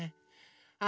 あ。